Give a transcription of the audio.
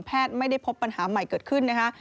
ไม่ได้พบปัญหาใหม่เกิดขึ้นนะคะ